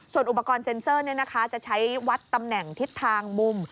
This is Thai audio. ส่วนอุปกรณ์เซ็นเซอร์จะใช้วัดตำแหน่งทิศทางมุม